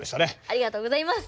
ありがとうございます。